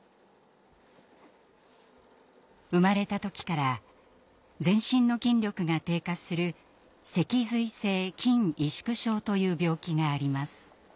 生まれた時から全身の筋力が低下する脊髄性筋萎縮症という病気があります。